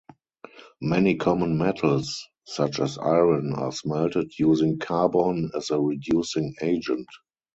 Many common metals, such as iron, are smelted using carbon as a reducing agent.